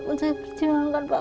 apa pun saya percaya banget